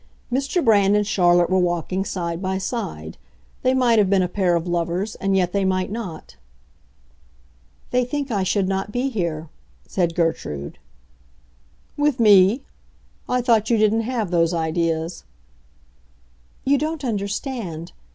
Mr. Brand and Charlotte were walking side by side. They might have been a pair of lovers, and yet they might not. "They think I should not be here," said Gertrude. "With me? I thought you didn't have those ideas." "You don't understand.